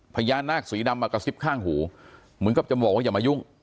พญานาคสีดำมากระซิบข้างหูเหมือนกับจะบอกว่าอย่ามายุ่ง